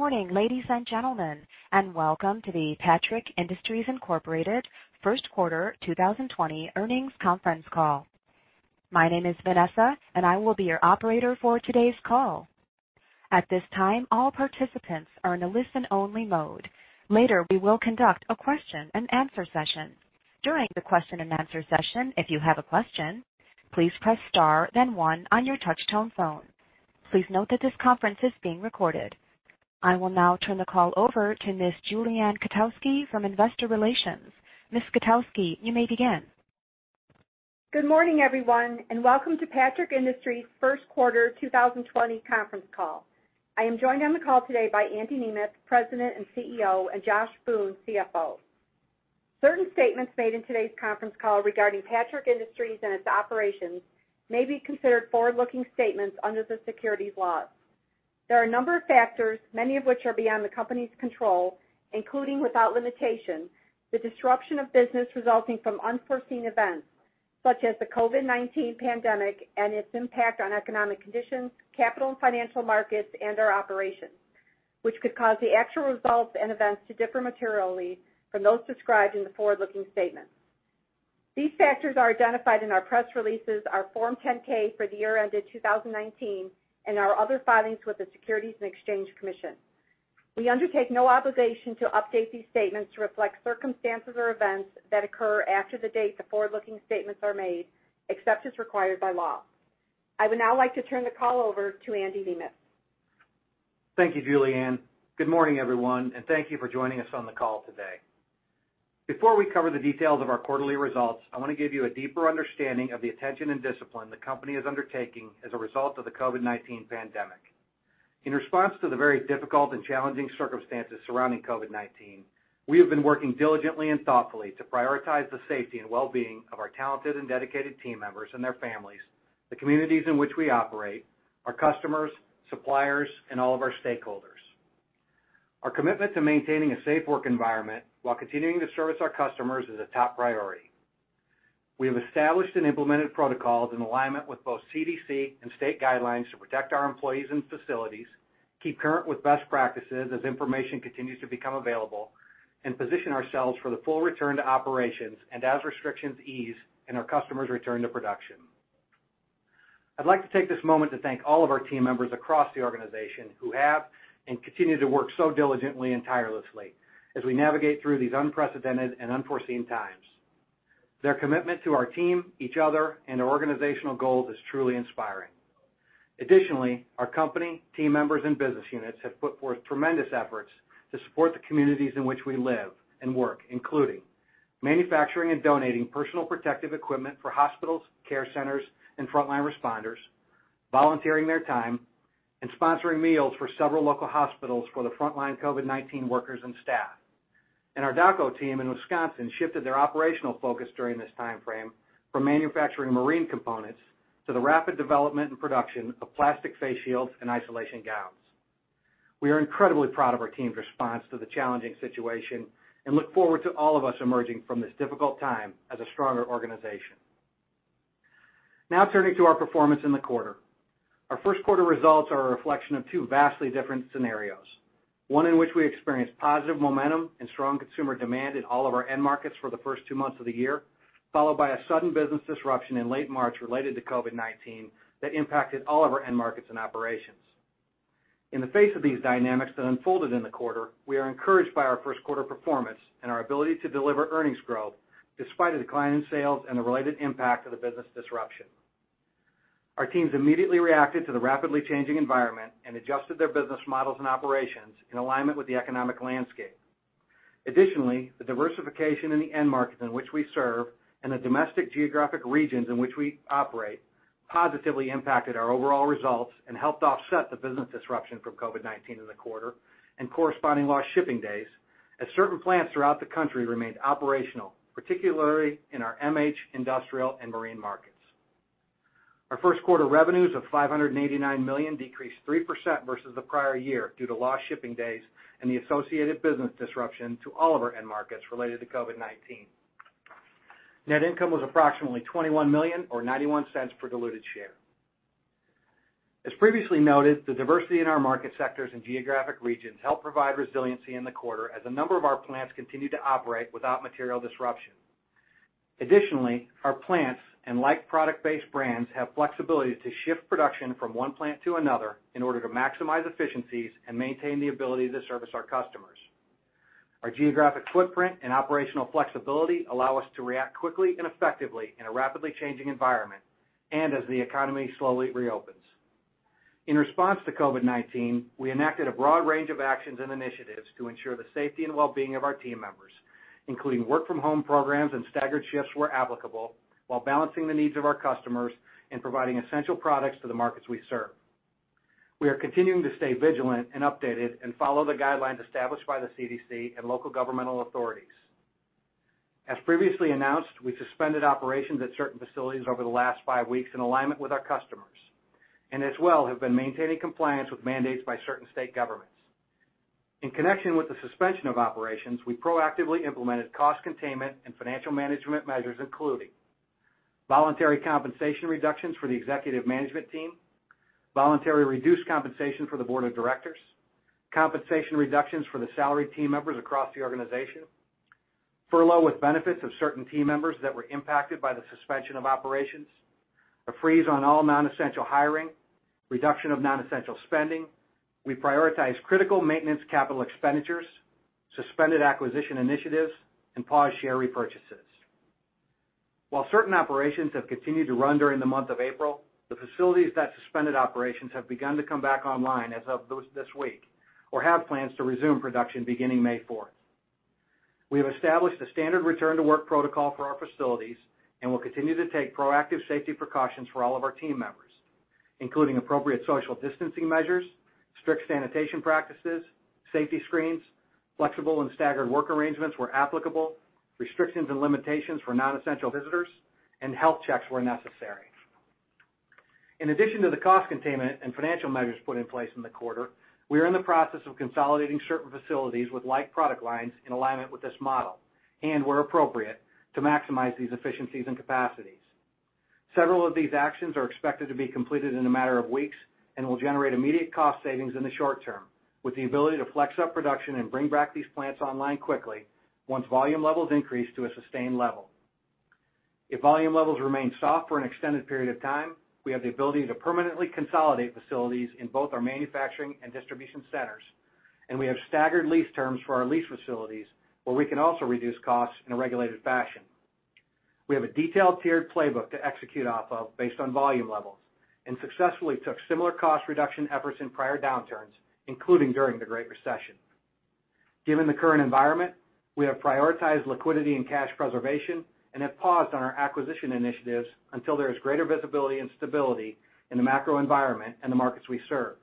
Good morning, ladies and gentlemen, and welcome to the Patrick Industries Incorporated First Quarter 2020 Earnings Conference Call. My name is Vanessa, and I will be your operator for today's call. At this time, all participants are in a listen-only mode. Later, we will conduct a question and answer session. During the question and answer session, if you have a question, please press star then one on your touch-tone phone. Please note that this conference is being recorded. I will now turn the call over to Ms. Julie Ann Kotowski from Investor Relations. Ms. Kotowski, you may begin. Good morning, everyone, and welcome to Patrick Industries' First Quarter 2020 conference call. I am joined on the call today by Andy Nemeth, President and CEO, and Josh Boone, CFO. Certain statements made in today's conference call regarding Patrick Industries and its operations may be considered forward-looking statements under the securities laws. There are a number of factors, many of which are beyond the company's control, including, without limitation, the disruption of business resulting from unforeseen events, such as the COVID-19 pandemic and its impact on economic conditions, capital and financial markets, and our operations, which could cause the actual results and events to differ materially from those described in the forward-looking statements. These factors are identified in our press releases, our Form 10-K for the year ended 2019, and our other filings with the Securities and Exchange Commission. We undertake no obligation to update these statements to reflect circumstances or events that occur after the date the forward-looking statements are made, except as required by law. I would now like to turn the call over to Andy Nemeth. Thank you, Julie Ann. Good morning, everyone, and thank you for joining us on the call today. Before we cover the details of our quarterly results, I want to give you a deeper understanding of the attention and discipline the company is undertaking as a result of the COVID-19 pandemic. In response to the very difficult and challenging circumstances surrounding COVID-19, we have been working diligently and thoughtfully to prioritize the safety and wellbeing of our talented and dedicated team members and their families, the communities in which we operate, our customers, suppliers, and all of our stakeholders. Our commitment to maintaining a safe work environment while continuing to service our customers is a top priority. We have established and implemented protocols in alignment with both CDC and state guidelines to protect our employees and facilities, keep current with best practices as information continues to become available, and position ourselves for the full return to operations and as restrictions ease and our customers return to production. I'd like to take this moment to thank all of our team members across the organization who have and continue to work so diligently and tirelessly as we navigate through these unprecedented and unforeseen times. Their commitment to our team, each other, and our organizational goals is truly inspiring. Additionally, our company, team members, and business units have put forth tremendous efforts to support the communities in which we live and work, including manufacturing and donating personal protective equipment for hospitals, care centers, and frontline responders, volunteering their time, and sponsoring meals for several local hospitals for the frontline COVID-19 workers and staff. Our Dowco team in Wisconsin shifted their operational focus during this timeframe from manufacturing marine components to the rapid development and production of plastic face shields and isolation gowns. We are incredibly proud of our team's response to the challenging situation and look forward to all of us emerging from this difficult time as a stronger organization. Turning to our performance in the quarter. Our first quarter results are a reflection of two vastly different scenarios. One in which we experienced positive momentum and strong consumer demand in all of our end markets for the first two months of the year, followed by a sudden business disruption in late March related to COVID-19 that impacted all of our end markets and operations. In the face of these dynamics that unfolded in the quarter, we are encouraged by our first quarter performance and our ability to deliver earnings growth despite a decline in sales and the related impact of the business disruption. Our teams immediately reacted to the rapidly changing environment and adjusted their business models and operations in alignment with the economic landscape. Additionally, the diversification in the end markets in which we serve and the domestic geographic regions in which we operate positively impacted our overall results and helped offset the business disruption from COVID-19 in the quarter and corresponding lost shipping days as certain plants throughout the country remained operational, particularly in our MH, industrial, and marine markets. Our first quarter revenues of $589 million decreased 3% versus the prior year due to lost shipping days and the associated business disruption to all of our end markets related to COVID-19. Net income was approximately $21 million or $0.91 per diluted share. As previously noted, the diversity in our market sectors and geographic regions helped provide resiliency in the quarter as a number of our plants continued to operate without material disruption. Additionally, our plants and like product-based brands have flexibility to shift production from one plant to another in order to maximize efficiencies and maintain the ability to service our customers. Our geographic footprint and operational flexibility allow us to react quickly and effectively in a rapidly changing environment and as the economy slowly reopens. In response to COVID-19, we enacted a broad range of actions and initiatives to ensure the safety and wellbeing of our team members, including work-from-home programs and staggered shifts where applicable, while balancing the needs of our customers and providing essential products to the markets we serve. We are continuing to stay vigilant and updated and follow the guidelines established by the CDC and local governmental authorities. As previously announced, we suspended operations at certain facilities over the last five weeks in alignment with our customers, as well have been maintaining compliance with mandates by certain state governments. In connection with the suspension of operations, we proactively implemented cost containment and financial management measures, including voluntary compensation reductions for the executive management team. Voluntary reduced compensation for the board of directors. Compensation reductions for the salaried team members across the organization. Furlough with benefits of certain team members that were impacted by the suspension of operations. A freeze on all non-essential hiring. Reduction of non-essential spending. We prioritize critical maintenance capital expenditures, suspended acquisition initiatives, and pause share repurchases. While certain operations have continued to run during the month of April, the facilities that suspended operations have begun to come back online as of this week or have plans to resume production beginning May 4th. We have established a standard return to work protocol for our facilities and will continue to take proactive safety precautions for all of our team members, including appropriate social distancing measures, strict sanitation practices, safety screens, flexible and staggered work arrangements where applicable, restrictions and limitations for non-essential visitors, and health checks where necessary. In addition to the cost containment and financial measures put in place in the quarter, we are in the process of consolidating certain facilities with like product lines in alignment with this model, and where appropriate, to maximize these efficiencies and capacities. Several of these actions are expected to be completed in a matter of weeks and will generate immediate cost savings in the short term, with the ability to flex up production and bring back these plants online quickly once volume levels increase to a sustained level. If volume levels remain soft for an extended period of time, we have the ability to permanently consolidate facilities in both our manufacturing and distribution centers, and we have staggered lease terms for our lease facilities, where we can also reduce costs in a regulated fashion. We have a detailed tiered playbook to execute off of based on volume levels and successfully took similar cost reduction efforts in prior downturns, including during the Great Recession. Given the current environment, we have prioritized liquidity and cash preservation and have paused on our acquisition initiatives until there is greater visibility and stability in the macro environment and the markets we serve,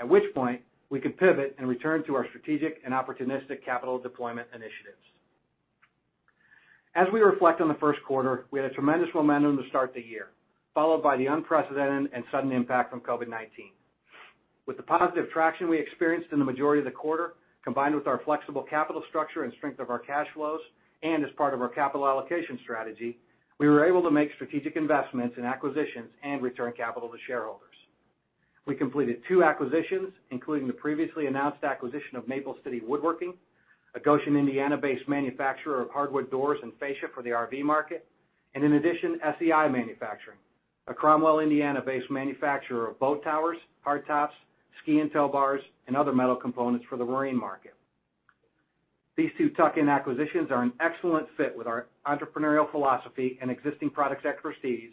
at which point we can pivot and return to our strategic and opportunistic capital deployment initiatives. As we reflect on the first quarter, we had a tremendous momentum to start the year, followed by the unprecedented and sudden impact from COVID-19. With the positive traction we experienced in the majority of the quarter, combined with our flexible capital structure and strength of our cash flows, and as part of our capital allocation strategy, we were able to make strategic investments in acquisitions and return capital to shareholders. We completed two acquisitions, including the previously announced acquisition of Maple City Woodworking, a Goshen, Indiana-based manufacturer of hardwood doors and fascia for the RV market. In addition, SEI Manufacturing, a Cromwell, Indiana-based manufacturer of boat towers, hard tops, ski and tow bars, and other metal components for the marine market. These two tuck-in acquisitions are an excellent fit with our entrepreneurial philosophy and existing products expertise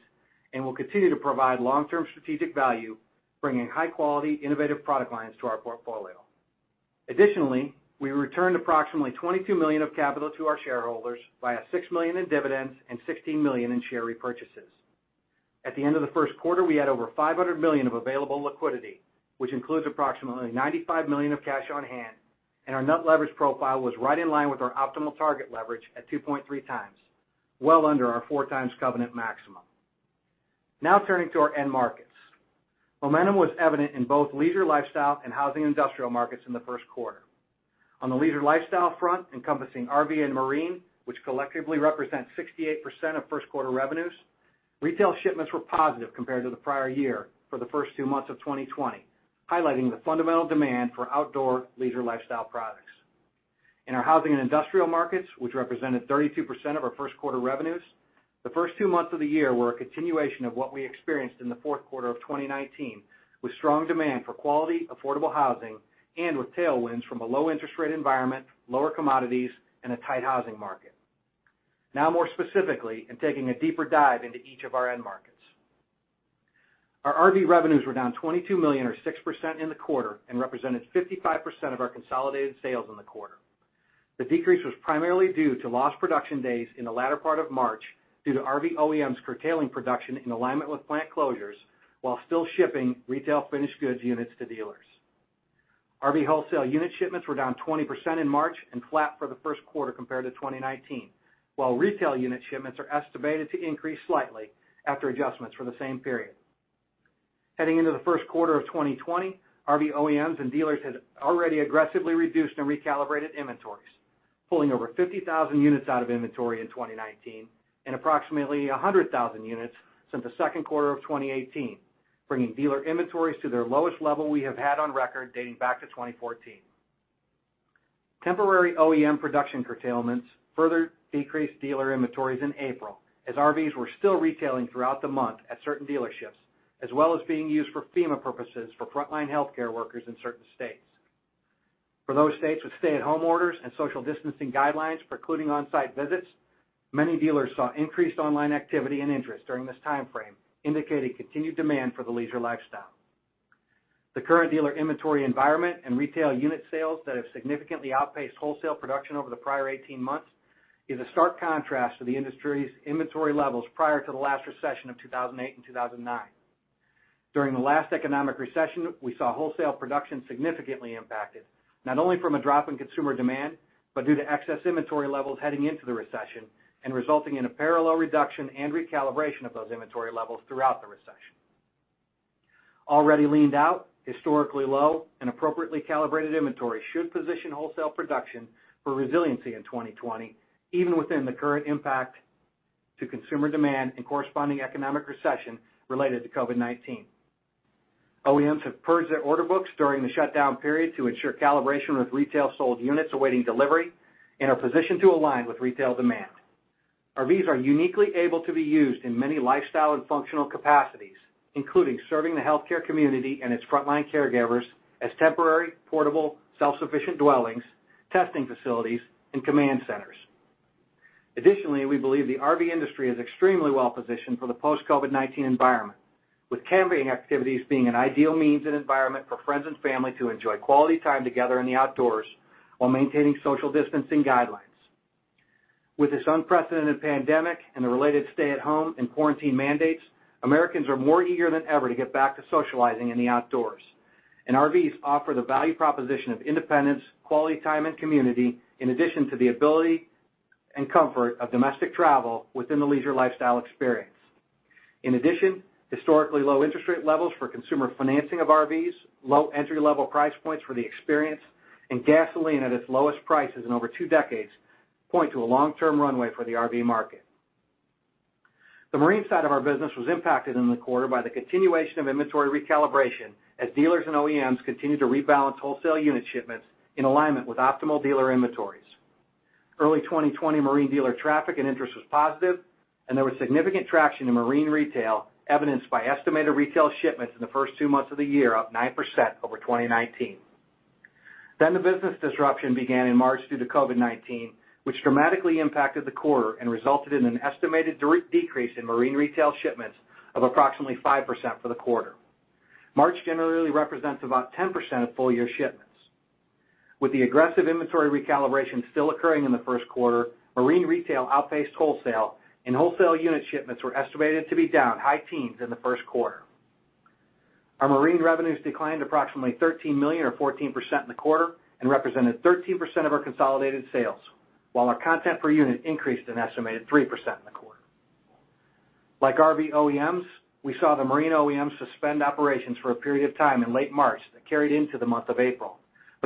and will continue to provide long-term strategic value, bringing high-quality, innovative product lines to our portfolio. Additionally, we returned approximately $22 million of capital to our shareholders via $6 million in dividends and $16 million in share repurchases. At the end of the first quarter, we had over $500 million of available liquidity, which includes approximately $95 million of cash on hand, and our net leverage profile was right in line with our optimal target leverage at 2.3x, well under our 4x covenant maximum. Now turning to our end markets. Momentum was evident in both leisure lifestyle and housing industrial markets in the first quarter. On the leisure lifestyle front, encompassing RV and marine, which collectively represent 68% of first quarter revenues, retail shipments were positive compared to the prior year for the first two months of 2020, highlighting the fundamental demand for outdoor leisure lifestyle products. In our housing and industrial markets, which represented 32% of our first quarter revenues, the first two months of the year were a continuation of what we experienced in the fourth quarter of 2019, with strong demand for quality, affordable housing and with tailwinds from a low interest rate environment, lower commodities, and a tight housing market. Now more specifically, in taking a deeper dive into each of our end markets. Our RV revenues were down $22 million or 6% in the quarter and represented 55% of our consolidated sales in the quarter. The decrease was primarily due to lost production days in the latter part of March due to RV OEMs curtailing production in alignment with plant closures while still shipping retail finished goods units to dealers. RV wholesale unit shipments were down 20% in March and flat for the first quarter compared to 2019, while retail unit shipments are estimated to increase slightly after adjustments for the same period. Heading into the first quarter of 2020, RV OEMs and dealers had already aggressively reduced and recalibrated inventories, pulling over 50,000 units out of inventory in 2019 and approximately 100,000 units since the second quarter of 2018, bringing dealer inventories to their lowest level we have had on record dating back to 2014. Temporary OEM production curtailments further decreased dealer inventories in April as RVs were still retailing throughout the month at certain dealerships, as well as being used for FEMA purposes for frontline healthcare workers in certain states. For those states with stay-at-home orders and social distancing guidelines precluding on-site visits, many dealers saw increased online activity and interest during this time frame, indicating continued demand for the leisure lifestyle. The current dealer inventory environment and retail unit sales that have significantly outpaced wholesale production over the prior 18 months is a stark contrast to the industry's inventory levels prior to the last recession of 2008 and 2009. During the last economic recession, we saw wholesale production significantly impacted, not only from a drop in consumer demand, but due to excess inventory levels heading into the recession and resulting in a parallel reduction and recalibration of those inventory levels throughout the recession. Already leaned out, historically low, and appropriately calibrated inventory should position wholesale production for resiliency in 2020, even within the current impact to consumer demand and corresponding economic recession related to COVID-19. OEMs have purged their order books during the shutdown period to ensure calibration with retail sold units awaiting delivery and are positioned to align with retail demand. RVs are uniquely able to be used in many lifestyle and functional capacities, including serving the healthcare community and its frontline caregivers as temporary, portable, self-sufficient dwellings, testing facilities, and command centers. Additionally, we believe the RV industry is extremely well-positioned for the post-COVID-19 environment, with camping activities being an ideal means and environment for friends and family to enjoy quality time together in the outdoors while maintaining social distancing guidelines. With this unprecedented pandemic and the related stay-at-home and quarantine mandates, Americans are more eager than ever to get back to socializing in the outdoors, and RVs offer the value proposition of independence, quality time, and community, in addition to the ability and comfort of domestic travel within the leisure lifestyle experience. In addition, historically low interest rate levels for consumer financing of RVs, low entry-level price points for the experience, and gasoline at its lowest prices in over two decades point to a long-term runway for the RV market. The marine side of our business was impacted in the quarter by the continuation of inventory recalibration as dealers and OEMs continued to rebalance wholesale unit shipments in alignment with optimal dealer inventories. Early 2020 marine dealer traffic and interest was positive, and there was significant traction in marine retail evidenced by estimated retail shipments in the first two months of the year, up 9% over 2019. The business disruption began in March due to COVID-19, which dramatically impacted the quarter and resulted in an estimated decrease in marine retail shipments of approximately 5% for the quarter. March generally represents about 10% of full-year shipments. With the aggressive inventory recalibration still occurring in the first quarter, marine retail outpaced wholesale, and wholesale unit shipments were estimated to be down high teens in the first quarter. Our marine revenues declined approximately $13 million or 14% in the quarter and represented 13% of our consolidated sales, while our content per unit increased an estimated 3% in the quarter. Like RV OEMs, we saw the marine OEMs suspend operations for a period of time in late March that carried into the month of April.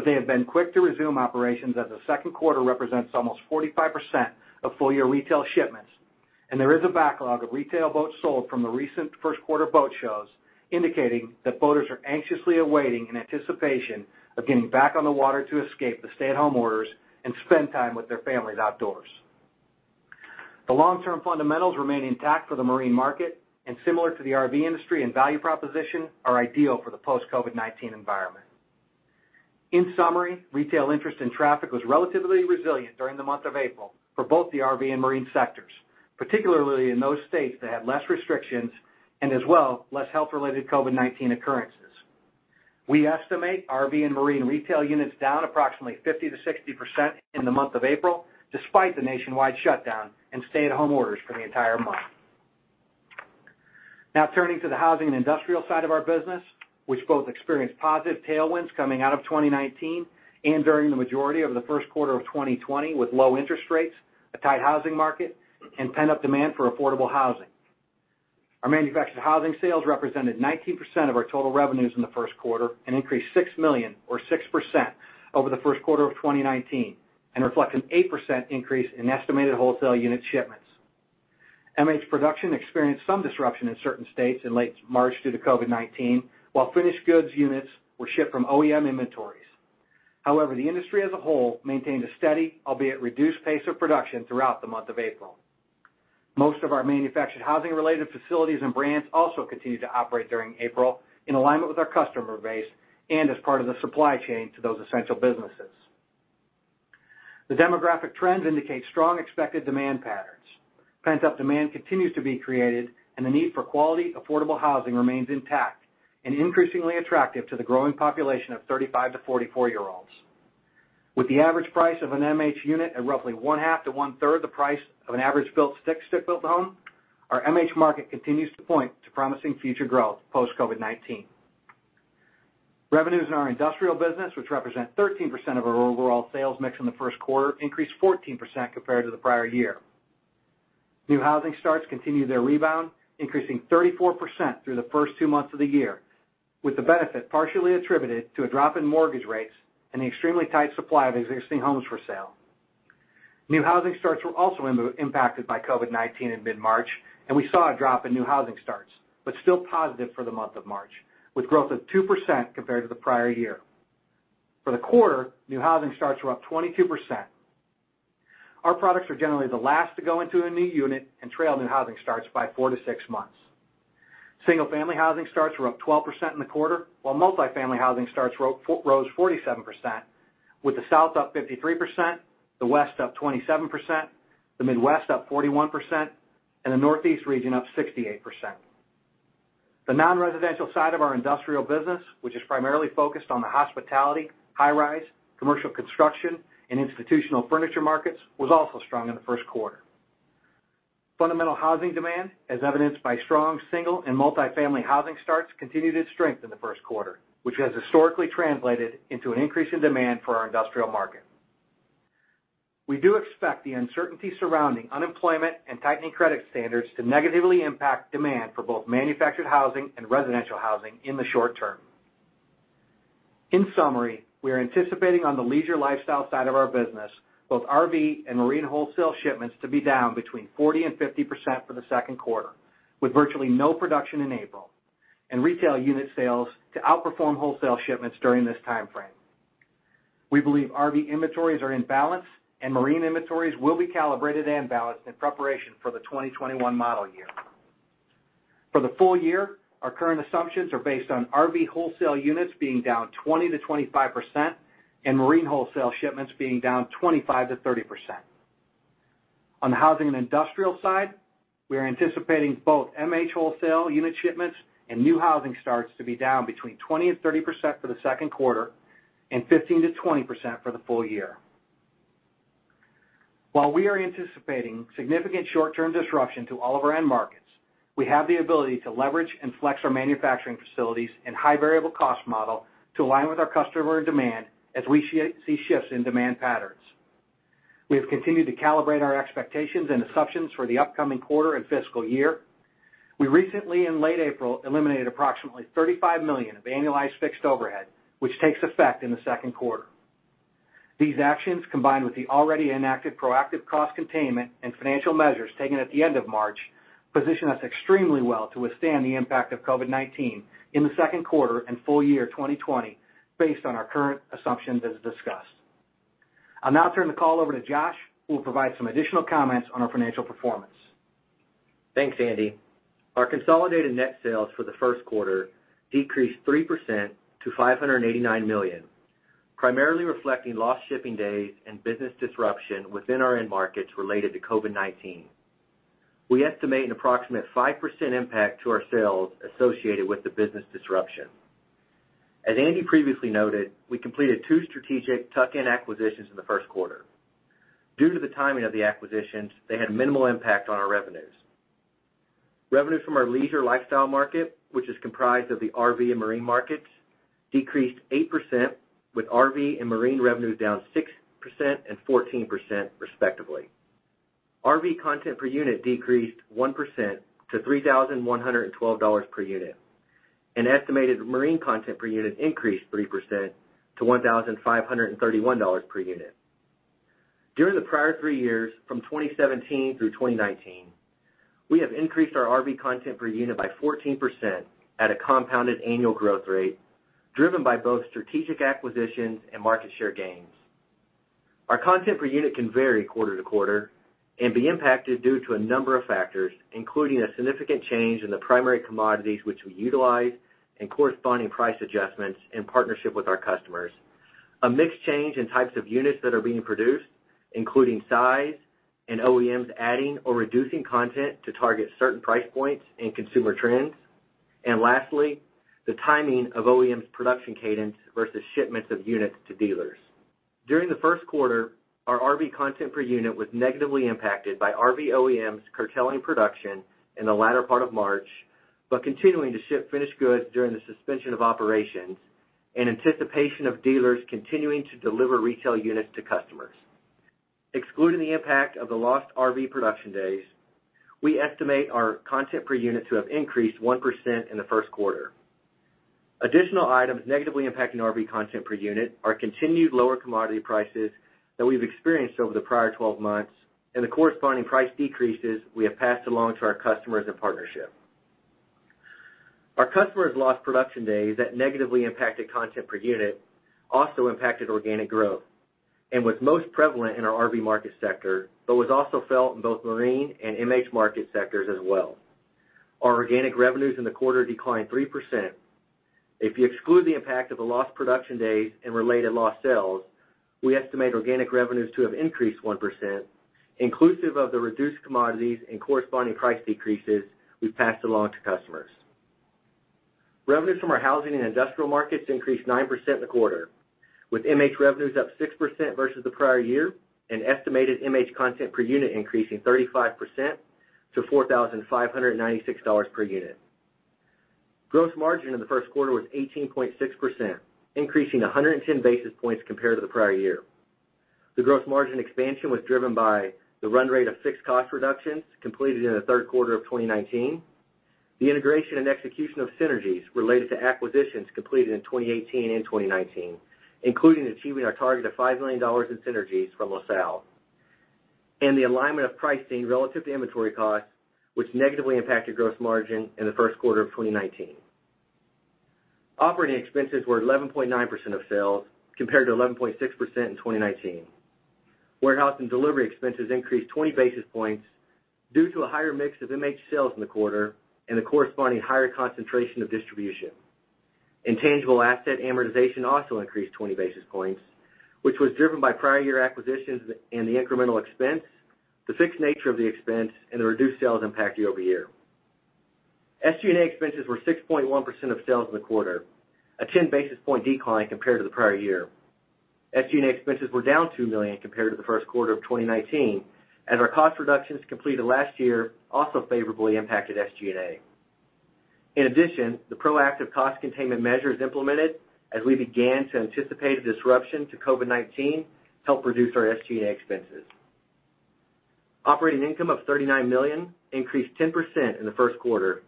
They have been quick to resume operations as the second quarter represents almost 45% of full-year retail shipments, and there is a backlog of retail boats sold from the recent first quarter boat shows, indicating that boaters are anxiously awaiting in anticipation of getting back on the water to escape the stay-at-home orders and spend time with their families outdoors. The long-term fundamentals remain intact for the marine market, and similar to the RV industry and value proposition, are ideal for the post-COVID-19 environment. In summary, retail interest and traffic was relatively resilient during the month of April for both the RV and marine sectors, particularly in those states that had less restrictions and as well, less health-related COVID-19 occurrences. We estimate RV and marine retail units down approximately 50%-60% in the month of April, despite the nationwide shutdown and stay-at-home orders for the entire month. Now turning to the housing and industrial side of our business, which both experienced positive tailwinds coming out of 2019 and during the majority of the first quarter of 2020 with low interest rates, a tight housing market, and pent-up demand for affordable housing. Our manufactured housing sales represented 19% of our total revenues in the first quarter and increased $6 million or 6% over the first quarter of 2019 and reflect an 8% increase in estimated wholesale unit shipments. MH production experienced some disruption in certain states in late March due to COVID-19, while finished goods units were shipped from OEM inventories. The industry as a whole maintained a steady, albeit reduced pace of production throughout the month of April. Most of our manufactured housing-related facilities and brands also continued to operate during April in alignment with our customer base and as part of the supply chain to those essential businesses. The demographic trends indicate strong expected demand patterns. Pent-up demand continues to be created, and the need for quality, affordable housing remains intact and increasingly attractive to the growing population of 35-44-year-olds. With the average price of an MH unit at roughly one-half to one-third the price of an average stick-built home, our MH market continues to point to promising future growth post-COVID-19. Revenues in our industrial business, which represent 13% of our overall sales mix in the first quarter, increased 14% compared to the prior year. New housing starts continue their rebound, increasing 34% through the first two months of the year, with the benefit partially attributed to a drop in mortgage rates and the extremely tight supply of existing homes for sale. New housing starts were also impacted by COVID-19 in mid-March, we saw a drop in new housing starts, still positive for the month of March, with growth of 2% compared to the prior year. For the quarter, new housing starts were up 22%. Our products are generally the last to go into a new unit and trail new housing starts by four to six months. Single-family housing starts were up 12% in the quarter, while multifamily housing starts rose 47%, with the South up 53%, the West up 27%, the Midwest up 41%, and the Northeast region up 68%. The non-residential side of our industrial business, which is primarily focused on the hospitality, high-rise, commercial construction, and institutional furniture markets, was also strong in the first quarter. Fundamental housing demand, as evidenced by strong single and multifamily housing starts, continued its strength in the first quarter, which has historically translated into an increase in demand for our industrial market. We do expect the uncertainty surrounding unemployment and tightening credit standards to negatively impact demand for both manufactured housing and residential housing in the short term. In summary, we are anticipating on the leisure lifestyle side of our business, both RV and marine wholesale shipments to be down between 40% and 50% for the second quarter, with virtually no production in April, and retail unit sales to outperform wholesale shipments during this time frame. We believe RV inventories are in balance and marine inventories will be calibrated and balanced in preparation for the 2021 model year. For the full year, our current assumptions are based on RV wholesale units being down 20%-25% and marine wholesale shipments being down 25%-30%. On the housing and industrial side, we are anticipating both MH wholesale unit shipments and new housing starts to be down between 20% and 30% for the second quarter and 15%-20% for the full year. While we are anticipating significant short-term disruption to all of our end markets, we have the ability to leverage and flex our manufacturing facilities and high variable cost model to align with our customer demand as we see shifts in demand patterns. We have continued to calibrate our expectations and assumptions for the upcoming quarter and fiscal year. We recently, in late April, eliminated approximately $35 million of annualized fixed overhead, which takes effect in the second quarter. These actions, combined with the already enacted proactive cost containment and financial measures taken at the end of March, position us extremely well to withstand the impact of COVID-19 in the second quarter and full year 2020 based on our current assumptions as discussed. I'll now turn the call over to Josh, who will provide some additional comments on our financial performance. Thanks, Andy. Our consolidated net sales for the first quarter decreased 3% to $589 million, primarily reflecting lost shipping days and business disruption within our end markets related to COVID-19. We estimate an approximate 5% impact to our sales associated with the business disruption. As Andy previously noted, we completed two strategic tuck-in acquisitions in the first quarter. Due to the timing of the acquisitions, they had minimal impact on our revenues. Revenues from our leisure lifestyle market, which is comprised of the RV and marine markets, decreased 8%, with RV and marine revenues down 6% and 14% respectively. RV content per unit decreased 1% to $3,112 per unit, and estimated marine content per unit increased 3% to $1,531 per unit. During the prior three years, from 2017 through 2019, we have increased our RV content per unit by 14% at a compounded annual growth rate, driven by both strategic acquisitions and market share gains. Our content per unit can vary quarter to quarter and be impacted due to a number of factors, including a significant change in the primary commodities which we utilize and corresponding price adjustments in partnership with our customers. A mix change in types of units that are being produced, including size and OEMs adding or reducing content to target certain price points and consumer trends. Lastly, the timing of OEMs production cadence versus shipments of units to dealers. During the first quarter, our RV content per unit was negatively impacted by RV OEMs curtailing production in the latter part of March, but continuing to ship finished goods during the suspension of operations in anticipation of dealers continuing to deliver retail units to customers. Excluding the impact of the lost RV production days, we estimate our content per unit to have increased 1% in the first quarter. Additional items negatively impacting RV content per unit are continued lower commodity prices that we've experienced over the prior 12 months and the corresponding price decreases we have passed along to our customers in partnership. Our customers lost production days that negatively impacted content per unit also impacted organic growth and was most prevalent in our RV market sector but was also felt in both marine and MH market sectors as well. Our organic revenues in the quarter declined 3%. If you exclude the impact of the lost production days and related lost sales, we estimate organic revenues to have increased 1%, inclusive of the reduced commodities and corresponding price decreases we've passed along to customers. Revenues from our housing and industrial markets increased 9% in the quarter, with MH revenues up 6% versus the prior year and estimated MH content per unit increasing 35% to $4,596 per unit. Gross margin in the first quarter was 18.6%, increasing 110 basis points compared to the prior year. The gross margin expansion was driven by the run rate of fixed cost reductions completed in the third quarter of 2019, the integration and execution of synergies related to acquisitions completed in 2018 and 2019, including achieving our target of $5 million in synergies from LaSalle, and the alignment of pricing relative to inventory costs, which negatively impacted gross margin in the first quarter of 2019. Operating expenses were 11.9% of sales, compared to 11.6% in 2019. Warehouse and delivery expenses increased 20 basis points due to a higher mix of MH sales in the quarter and a corresponding higher concentration of distribution. Intangible asset amortization also increased 20 basis points, which was driven by prior year acquisitions and the incremental expense, the fixed nature of the expense, and the reduced sales impact year-over-year. SG&A expenses were 6.1% of sales in the quarter, a 10 basis point decline compared to the prior year. SG&A expenses were down $2 million compared to the first quarter of 2019, as our cost reductions completed last year also favorably impacted SG&A. In addition, the proactive cost containment measures implemented as we began to anticipate a disruption to COVID-19 helped reduce our SG&A expenses. Operating income of $39 million increased 10% in the first quarter,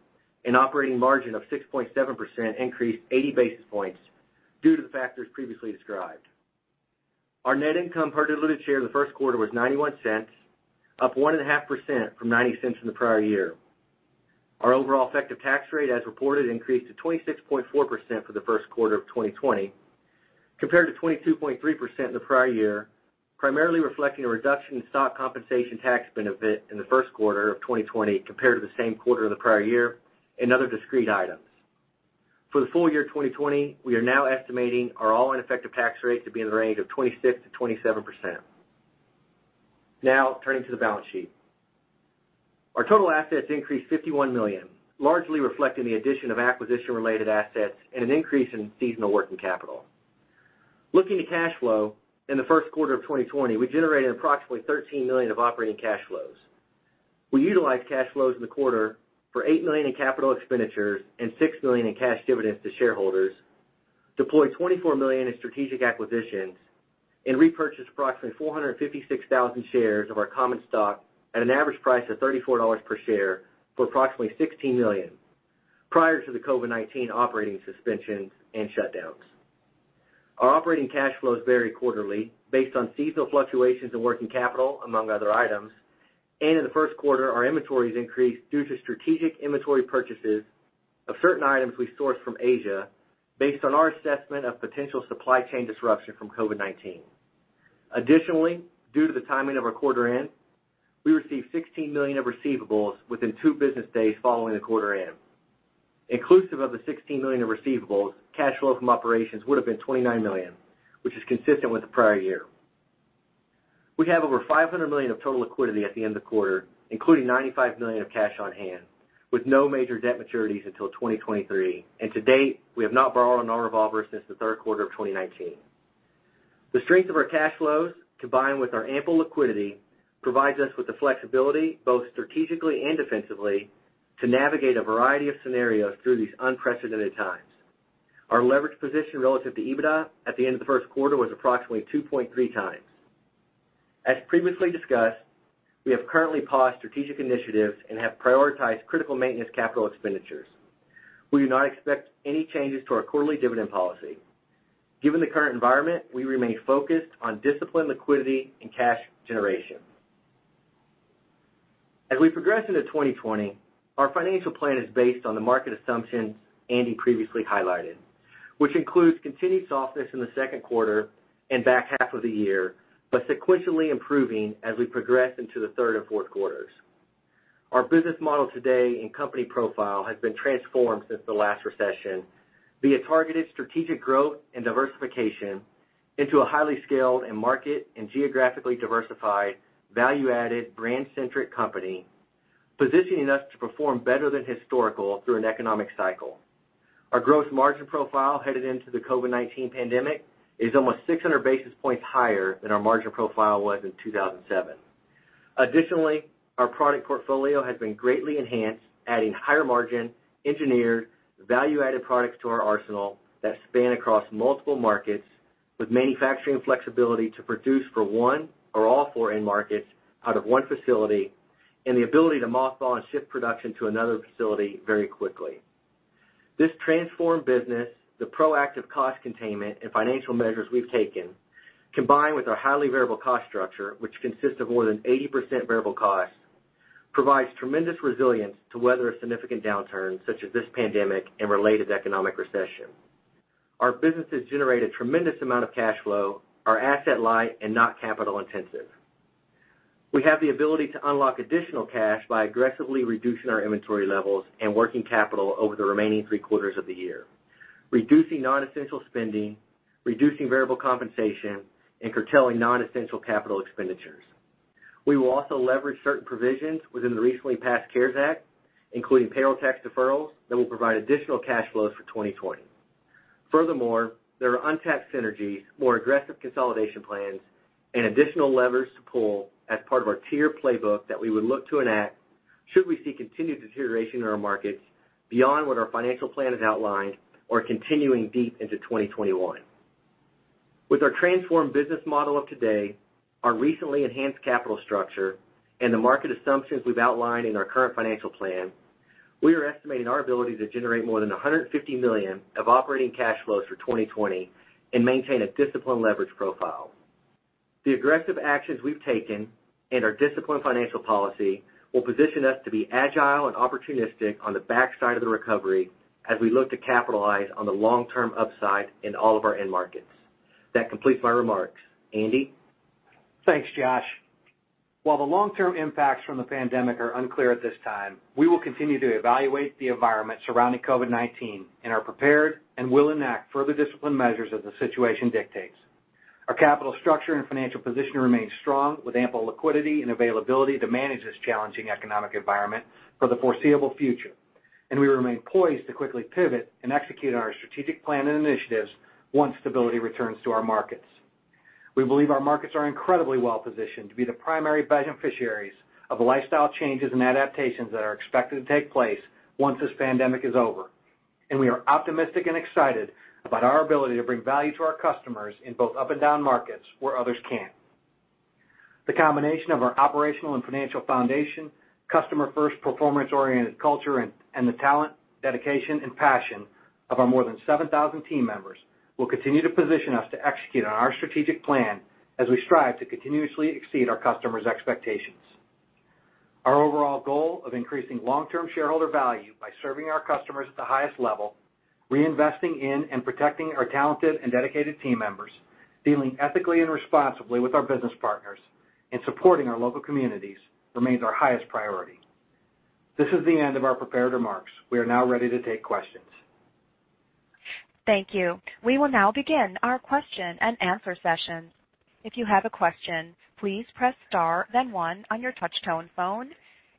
and operating margin of 6.7% increased 80 basis points due to the factors previously described. Our net income per diluted share in the first quarter was $0.91, up 1.5% from $0.90 in the prior year. Our overall effective tax rate as reported increased to 26.4% for the first quarter of 2020 compared to 22.3% in the prior year, primarily reflecting a reduction in stock compensation tax benefit in the first quarter of 2020 compared to the same quarter of the prior year and other discrete items. For the full year 2020, we are now estimating our all-in effective tax rate to be in the range of 26%-27%. Now turning to the balance sheet. Our total assets increased $51 million, largely reflecting the addition of acquisition-related assets and an increase in seasonal working capital. Looking to cash flow, in the first quarter of 2020, we generated approximately $13 million of operating cash flows. We utilized cash flows in the quarter for $8 million in capital expenditures and $6 million in cash dividends to shareholders, deployed $24 million in strategic acquisitions, and repurchased approximately 456,000 shares of our common stock at an average price of $34 per share for approximately $16 million prior to the COVID-19 operating suspensions and shutdowns. Our operating cash flows vary quarterly based on seasonal fluctuations in working capital, among other items, and in the first quarter, our inventories increased due to strategic inventory purchases of certain items we source from Asia based on our assessment of potential supply chain disruption from COVID-19. Additionally, due to the timing of our quarter end, we received $16 million of receivables within two business days following the quarter end. Inclusive of the $16 million of receivables, cash flow from operations would have been $29 million, which is consistent with the prior year. We have over $500 million of total liquidity at the end of the quarter, including $95 million of cash on hand, with no major debt maturities until 2023. To date, we have not borrowed on our revolver since the third quarter of 2019. The strength of our cash flows, combined with our ample liquidity, provides us with the flexibility, both strategically and defensively, to navigate a variety of scenarios through these unprecedented times. Our leverage position relative to EBITDA at the end of the first quarter was approximately 2.3x. As previously discussed, we have currently paused strategic initiatives and have prioritized critical maintenance capital expenditures. We do not expect any changes to our quarterly dividend policy. Given the current environment, we remain focused on disciplined liquidity and cash generation. As we progress into 2020, our financial plan is based on the market assumptions Andy previously highlighted, which includes continued softness in the second quarter and back half of the year, but sequentially improving as we progress into the third and fourth quarters. Our business model today and company profile has been transformed since the last recession via targeted strategic growth and diversification into a highly scaled and market and geographically diversified, value-added, brand-centric company, positioning us to perform better than historical through an economic cycle. Our gross margin profile headed into the COVID-19 pandemic is almost 600 basis points higher than our margin profile was in 2007. Additionally, our product portfolio has been greatly enhanced, adding higher-margin, engineered, value-added products to our arsenal that span across multiple markets with manufacturing flexibility to produce for one or all four end markets out of one facility, and the ability to mothball and shift production to another facility very quickly. This transformed business, the proactive cost containment and financial measures we've taken, combined with our highly variable cost structure, which consists of more than 80% variable costs, provides tremendous resilience to weather a significant downturn such as this pandemic and related economic recession. Our businesses generate a tremendous amount of cash flow, are asset light, and not capital intensive. We have the ability to unlock additional cash by aggressively reducing our inventory levels and working capital over the remaining three quarters of the year, reducing non-essential spending, reducing variable compensation, and curtailing non-essential capital expenditures. We will also leverage certain provisions within the recently passed CARES Act, including payroll tax deferrals, that will provide additional cash flows for 2020. Furthermore, there are untapped synergies, more aggressive consolidation plans, and additional levers to pull as part of our tier playbook that we would look to enact should we see continued deterioration in our markets beyond what our financial plan has outlined or continuing deep into 2021. With our transformed business model of today, our recently enhanced capital structure, and the market assumptions we've outlined in our current financial plan, we are estimating our ability to generate more than $150 million of operating cash flows for 2020 and maintain a disciplined leverage profile. The aggressive actions we've taken and our disciplined financial policy will position us to be agile and opportunistic on the backside of the recovery as we look to capitalize on the long-term upside in all of our end markets. That completes my remarks. Andy? Thanks, Josh. While the long-term impacts from the pandemic are unclear at this time, we will continue to evaluate the environment surrounding COVID-19 and are prepared and will enact further discipline measures as the situation dictates. Our capital structure and financial position remain strong with ample liquidity and availability to manage this challenging economic environment for the foreseeable future, and we remain poised to quickly pivot and execute on our strategic plan and initiatives once stability returns to our markets. We believe our markets are incredibly well-positioned to be the primary beneficiaries of the lifestyle changes and adaptations that are expected to take place once this pandemic is over. We are optimistic and excited about our ability to bring value to our customers in both up and down markets where others can't. The combination of our operational and financial foundation, customer-first, performance-oriented culture, and the talent, dedication, and passion of our more than 7,000 team members will continue to position us to execute on our strategic plan as we strive to continuously exceed our customers' expectations. Our overall goal of increasing long-term shareholder value by serving our customers at the highest level, reinvesting in and protecting our talented and dedicated team members, dealing ethically and responsibly with our business partners, and supporting our local communities remains our highest priority. This is the end of our prepared remarks. We are now ready to take questions. Thank you. We will now begin our question and answer session. If you have a question, please press star then one on your touch tone phone.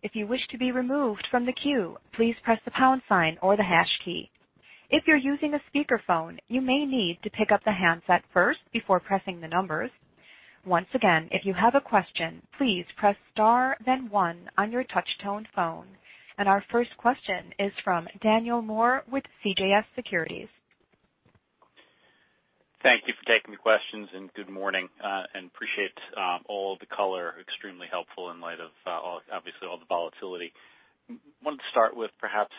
If you wish to be removed from the queue, please press the pound sign or the hash key. If you're using a speakerphone, you may need to pick up the handset first before pressing the numbers. Once again, if you have a question, please press star then one on your touch tone phone. Our first question is from Daniel Moore with CJS Securities. Thank you for taking the questions, and good morning, and appreciate all the color, extremely helpful in light of obviously all the volatility. I wanted to start with perhaps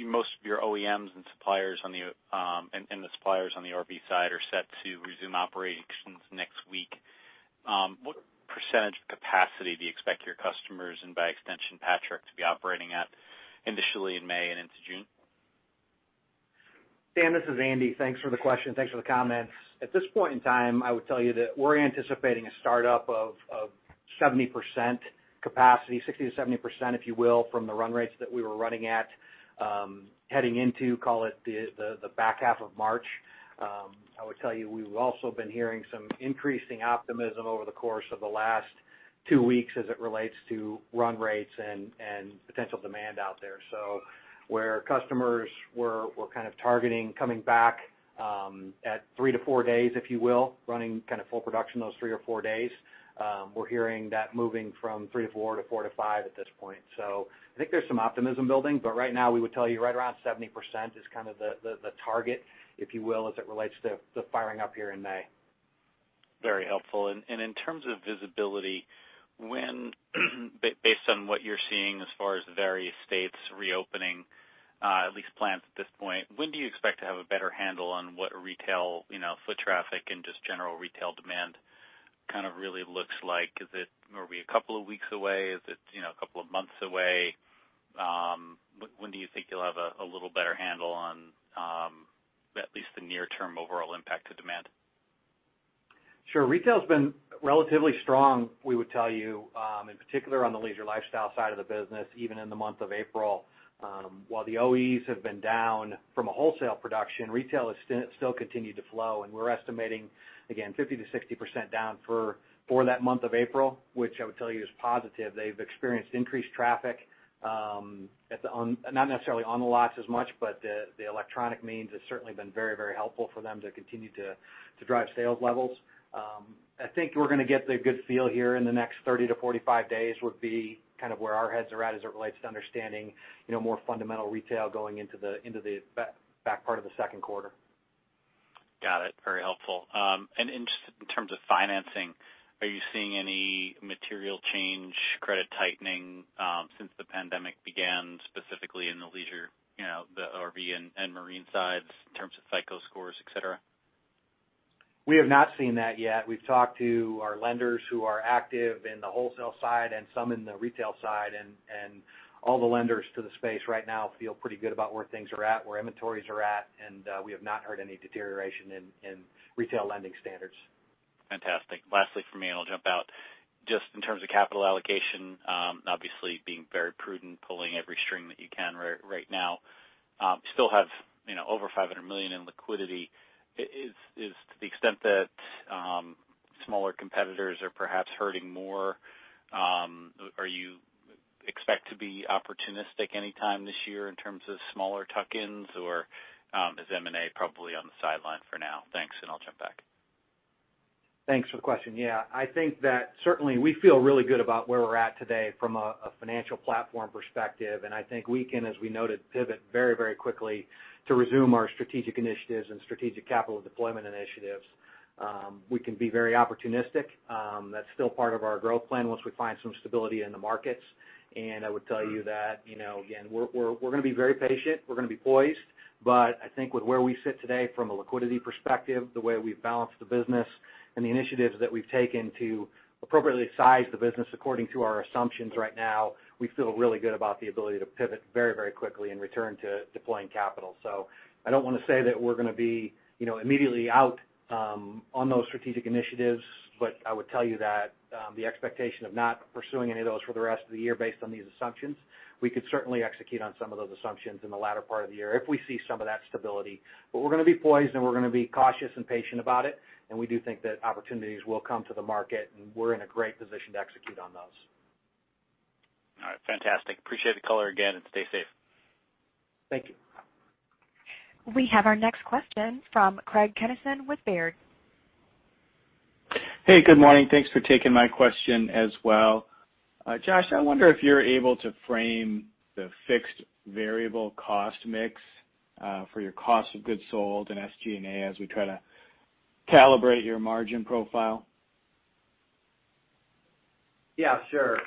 most of your OEMs and the suppliers on the RV side are set to resume operations next week. What percent of capacity do you expect your customers and by extension, Patrick, to be operating at initially in May and into June? Dan, this is Andy. Thanks for the question, thanks for the comments. At this point in time, I would tell you that we're anticipating a startup of 70% capacity, 60%-70%, if you will, from the run rates that we were running at, heading into, call it, the back half of March. I would tell you we've also been hearing some increasing optimism over the course of the last two weeks as it relates to run rates and potential demand out there. Where customers were kind of targeting coming back at three to four days, if you will, running kind of full production those three or four days, we're hearing that moving from three to four to four to five at this point. I think there's some optimism building, but right now we would tell you right around 70% is kind of the target, if you will, as it relates to the firing up here in May. Very helpful. In terms of visibility, based on what you're seeing as far as the various states reopening, at least plans at this point, when do you expect to have a better handle on what retail foot traffic and just general retail demand kind of really looks like? Are we a couple of weeks away? Is it a couple of months away? When do you think you'll have a little better handle on at least the near-term overall impact to demand? Sure. Retail's been relatively strong, we would tell you, in particular on the leisure lifestyle side of the business, even in the month of April. While the OEs have been down from a wholesale production, retail has still continued to flow, and we're estimating, again, 50%-60% down for that month of April, which I would tell you is positive. They've experienced increased traffic, not necessarily on the lots as much, but the electronic means has certainly been very helpful for them to continue to drive sales levels. I think we're going to get the good feel here in the next 30-45 days would be kind of where our heads are at as it relates to understanding more fundamental retail going into the back part of the second quarter. Got it. Very helpful. Just in terms of financing, are you seeing any material change, credit tightening since the pandemic began, specifically in the leisure, the RV and marine sides in terms of FICO scores, et cetera? We have not seen that yet. We've talked to our lenders who are active in the wholesale side and some in the retail side. All the lenders to the space right now feel pretty good about where things are at, where inventories are at, and we have not heard any deterioration in retail lending standards. Fantastic. Lastly from me, and I'll jump out, just in terms of capital allocation, obviously being very prudent, pulling every string that you can right now. Still have over $500 million in liquidity. Is to the extent that smaller competitors are perhaps hurting more, are you expect to be opportunistic any time this year in terms of smaller tuck-ins, or is M&A probably on the sideline for now? Thanks, and I'll jump back. Thanks for the question. Yeah. I think that certainly we feel really good about where we're at today from a financial platform perspective, and I think we can, as we noted, pivot very quickly to resume our strategic initiatives and strategic capital deployment initiatives. We can be very opportunistic. That's still part of our growth plan once we find some stability in the markets. I would tell you that, again, we're going to be very patient. We're going to be poised. I think with where we sit today from a liquidity perspective, the way we've balanced the business and the initiatives that we've taken to appropriately size the business according to our assumptions right now, we feel really good about the ability to pivot very quickly and return to deploying capital. I don't want to say that we're going to be immediately out on those strategic initiatives, I would tell you that the expectation of not pursuing any of those for the rest of the year based on these assumptions, we could certainly execute on some of those assumptions in the latter part of the year if we see some of that stability. We're going to be poised, and we're going to be cautious and patient about it, and we do think that opportunities will come to the market, and we're in a great position to execute on those. Fantastic. Appreciate the color again, and stay safe. Thank you. We have our next question from Craig Kennison with Baird. Hey, good morning. Thanks for taking my question as well. Josh, I wonder if you're able to frame the fixed variable cost mix for your cost of goods sold and SG&A, as we try to calibrate your margin profile. Yeah, sure.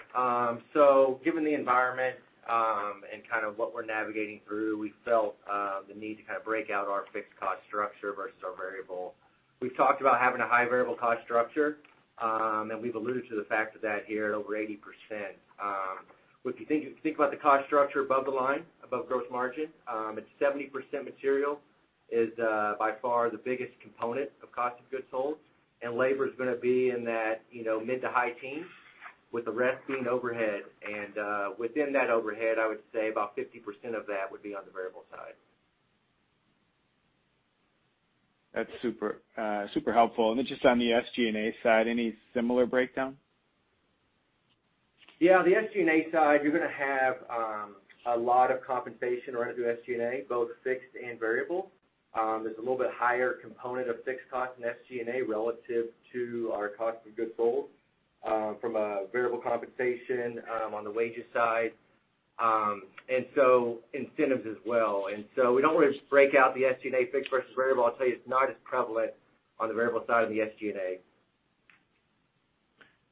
Given the environment, and what we're navigating through, we felt the need to break out our fixed cost structure versus our variable. We've talked about having a high variable cost structure, and we've alluded to the fact that here at over 80%. If you think about the cost structure above the line, above gross margin, it's 70% material is by far the biggest component of cost of goods sold. Labor's going to be in that mid to high teens, with the rest being overhead. Within that overhead, I would say about 50% of that would be on the variable side. That's super helpful. Just on the SG&A side, any similar breakdown? Yeah, on the SG&A side, you're going to have a lot of compensation run through SG&A, both fixed and variable. There's a little bit higher component of fixed cost in SG&A relative to our cost of goods sold, from a variable compensation on the wages side. Incentives as well. We don't want to just break out the SG&A fixed versus variable. I'll tell you, it's not as prevalent on the variable side of the SG&A.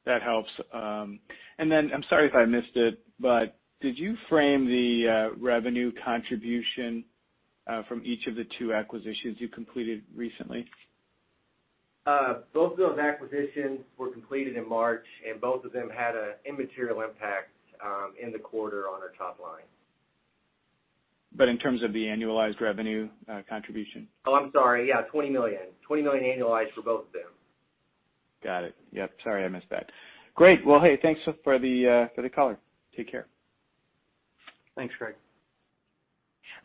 That helps. I'm sorry if I missed it, but did you frame the revenue contribution from each of the two acquisitions you completed recently? Both of those acquisitions were completed in March, and both of them had a immaterial impact in the quarter on our top line. In terms of the annualized revenue contribution? Oh, I'm sorry. Yeah. $20 million. $20 million annualized for both of them. Got it. Yep. Sorry, I missed that. Great. Well, hey, thanks for the color. Take care. Thanks, Craig.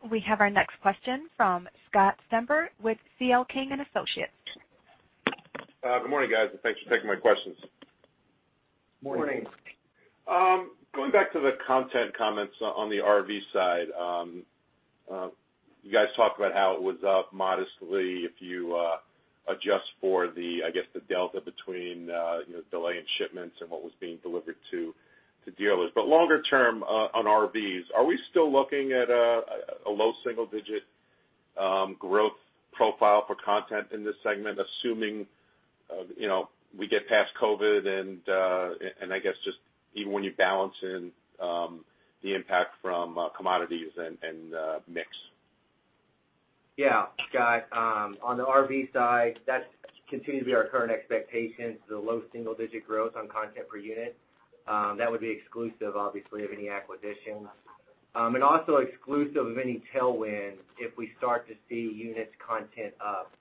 We have our next question from Scott Stember with CL King & Associates. Good morning, guys, and thanks for taking my questions. Morning. Morning. Going back to the content comments on the RV side. You guys talked about how it was up modestly if you adjust for the, I guess, the delta between delay in shipments and what was being delivered to dealers. Longer term, on RVs, are we still looking at a low single-digit growth profile for content in this segment, assuming we get past COVID and I guess just even when you balance in the impact from commodities and mix? Yeah, Scott. On the RV side, that continues to be our current expectation, the low single-digit growth on content per unit. That would be exclusive, obviously, of any acquisitions. Also exclusive of any tailwind if we start to see units content up.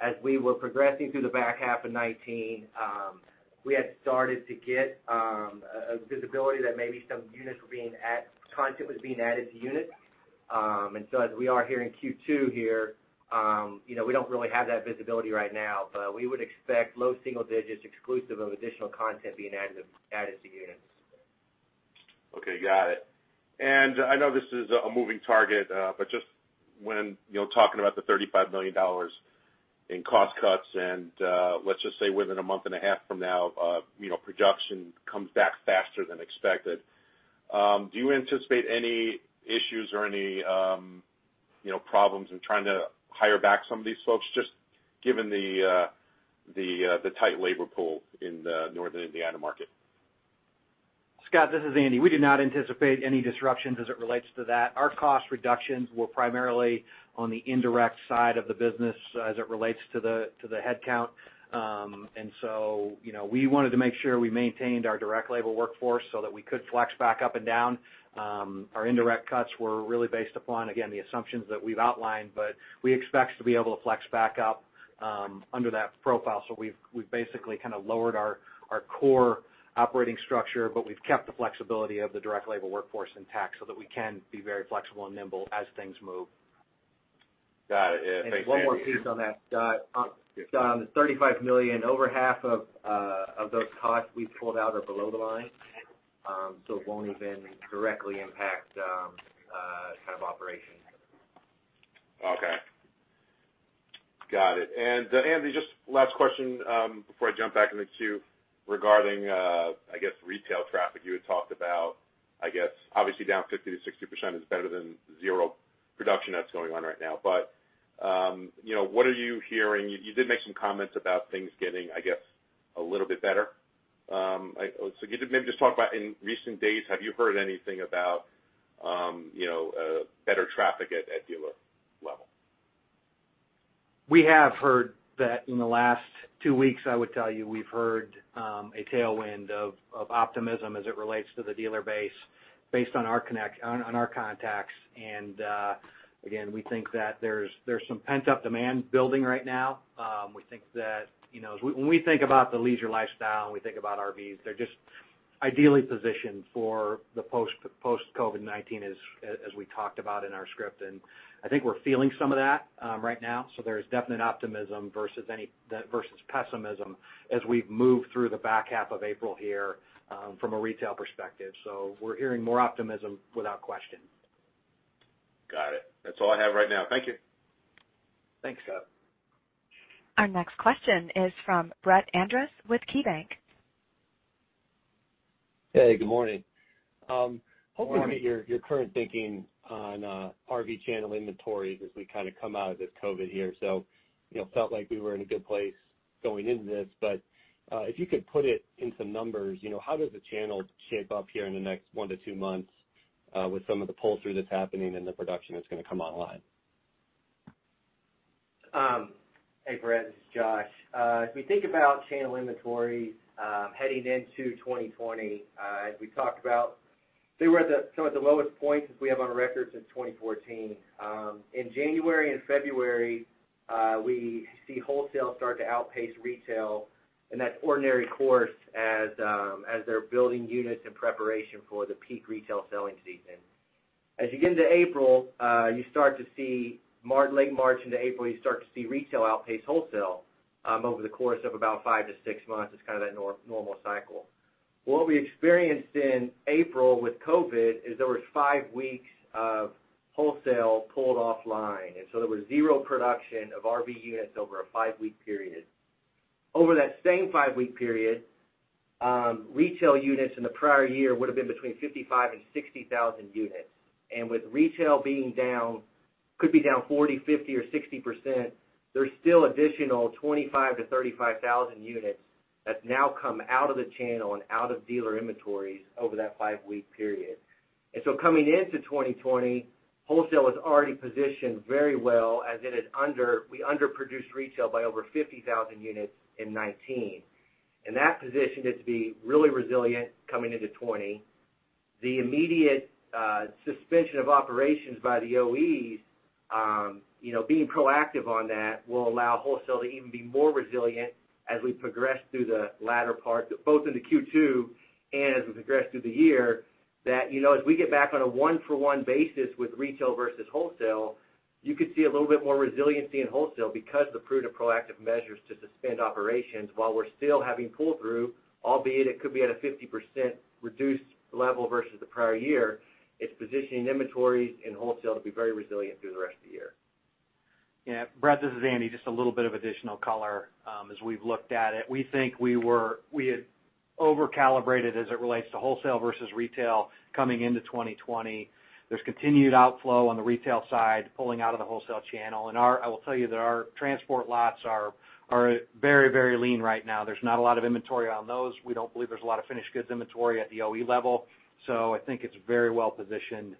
As we were progressing through the back half of 2019, we had started to get a visibility that maybe some content was being added to units. As we are here in Q2 here, we don't really have that visibility right now. We would expect low single digits exclusive of additional content being added to units. Okay, got it. I know this is a moving target, but just when talking about the $35 million in cost cuts and, let's just say within a month and a half from now, production comes back faster than expected. Do you anticipate any issues or any problems in trying to hire back some of these folks, just given the tight labor pool in the northern Indiana market? Scott, this is Andy. We do not anticipate any disruptions as it relates to that. Our cost reductions were primarily on the indirect side of the business as it relates to the headcount. We wanted to make sure we maintained our direct labor workforce so that we could flex back up and down. Our indirect cuts were really based upon, again, the assumptions that we've outlined, but we expect to be able to flex back up under that profile. We've basically kind of lowered our core operating structure, but we've kept the flexibility of the direct labor workforce intact so that we can be very flexible and nimble as things move. Got it. Thanks, Andy. One more piece on that, Scott. Yeah. On the $35 million, over half of those costs we pulled out are below the line. It won't even directly impact kind of operations. Okay. Got it. Andy, just last question before I jump back in the queue regarding, I guess, retail traffic you had talked about. I guess obviously down 50%-60% is better than zero production that's going on right now. What are you hearing? You did make some comments about things getting, I guess, a little bit better. Can you maybe just talk about in recent days, have you heard anything about better traffic at dealer level? We have heard that in the last two weeks. I would tell you, we've heard a tailwind of optimism as it relates to the dealer base based on our contacts. Again, we think that there's some pent-up demand building right now. When we think about the leisure lifestyle and we think about RVs, they're just ideally positioned for the post-COVID-19, as we talked about in our script. I think we're feeling some of that right now. There is definite optimism versus pessimism as we've moved through the back half of April here from a retail perspective. We're hearing more optimism without question. Got it. That's all I have right now. Thank you. Thanks, Scott. Our next question is from Brett Andress with KeyBanc. Hey, good morning. Good morning. I'm hoping to get your current thinking on RV channel inventories as we kind of come out of this COVID here. It felt like we were in a good place going into this. If you could put it into numbers, how does the channel shape up here in the next one to two months with some of the pull-through that's happening and the production that's going to come online? Hey, Brett, this is Josh. If we think about channel inventory, heading into 2020, as we talked about, they were at some of the lowest points as we have on record since 2014. In January and February, we see wholesale start to outpace retail, and that's ordinary course as they're building units in preparation for the peak retail selling season. As you get into April, you start to see late March into April, you start to see retail outpace wholesale, over the course of about five to six months. It's kind of that normal cycle. What we experienced in April with COVID-19 is there was five weeks of wholesale pulled offline, and so there was zero production of RV units over a five-week period. Over that same five-week period, retail units in the prior year would've been between 55,000 and 60,000 units. With retail being down, could be down 40%, 50% or 60%, there's still additional 25,000-35,000 units that's now come out of the channel and out of dealer inventories over that five-week period. Coming into 2020, wholesale is already positioned very well as we under-produced retail by over 50,000 units in 2019. That positioned it to be really resilient coming into 2020. The immediate suspension of operations by the OEs, being proactive on that will allow wholesale to even be more resilient as we progress through the latter part, both into Q2 and as we progress through the year. As we get back on a one-for-one basis with retail versus wholesale, you could see a little bit more resiliency in wholesale because of the prudent and proactive measures to suspend operations while we're still having pull-through. Albeit it could be at a 50% reduced level versus the prior year, it's positioning inventories and wholesale to be very resilient through the rest of the year. Yeah. Brett, this is Andy. Just a little bit of additional color. As we've looked at it, we think we had over-calibrated as it relates to wholesale versus retail coming into 2020. There's continued outflow on the retail side pulling out of the wholesale channel. I will tell you that our transport lots are very lean right now. There's not a lot of inventory on those. We don't believe there's a lot of finished goods inventory at the OE level. I think it's very well positioned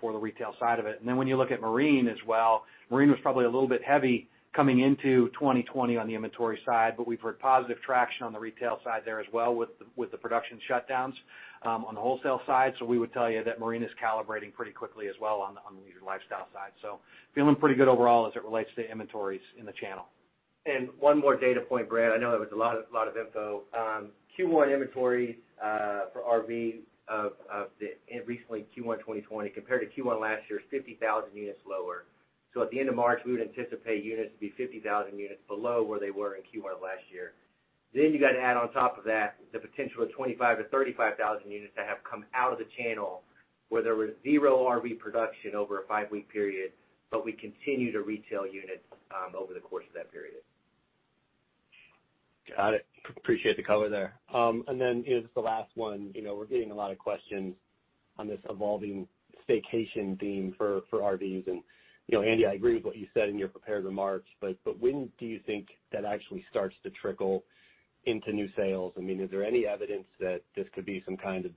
for the retail side of it. When you look at marine as well, marine was probably a little bit heavy coming into 2020 on the inventory side, but we've heard positive traction on the retail side there as well with the production shutdowns on the wholesale side. We would tell you that marine is calibrating pretty quickly as well on the leisure lifestyle side. Feeling pretty good overall as it relates to inventories in the channel. One more data point, Brett. I know that was a lot of info. Q1 inventory for RVs of the recently Q1 2020 compared to Q1 last year is 50,000 units lower. At the end of March, we would anticipate units to be 50,000 units below where they were in Q1 last year. You got to add on top of that the potential of 25,000 units-35,000 units that have come out of the channel where there was zero RV production over a five-week period, but we continued to retail units over the course of that period. Got it. Appreciate the color there. Here's the last one. We're getting a lot of questions on this evolving staycation theme for RVs. Andy, I agree with what you said in your prepared remarks, when do you think that actually starts to trickle into new sales? Is there any evidence that this could be some kind of